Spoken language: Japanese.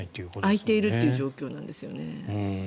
空いているという状況なんですね。